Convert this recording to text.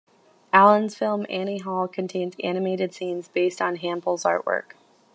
Allen's film "Annie Hall" contains animated scenes based on Hample's artwork.